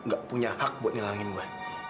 gak punya hak buat nyelangin gue